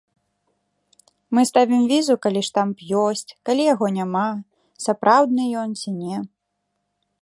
Мы ставім візу, калі штамп ёсць, калі яго няма, сапраўдны ён ці не.